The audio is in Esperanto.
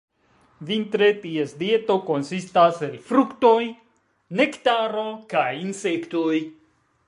Vintre ties dieto konsistas el fruktoj, nektaro kaj insektoj.